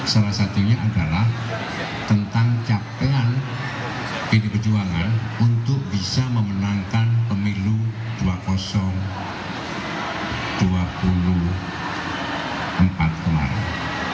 salah satunya adalah tentang capaian pdi perjuangan untuk bisa memenangkan pemilu dua ribu dua puluh empat kemarin